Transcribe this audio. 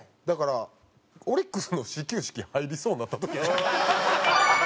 だからオリックスの始球式入りそうになった時。